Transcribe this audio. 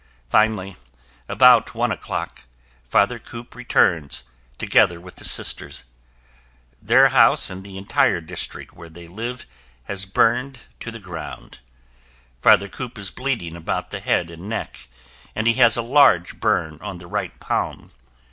Finally, about one o'clock, Father Kopp returns, together with the Sisters. Their house and the entire district where they live has burned to the ground. Father Kopp is bleeding about the head and neck, and he has a large burn on the right palm.